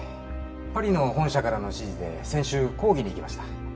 パリの本社からの指示で先週抗議に行きました。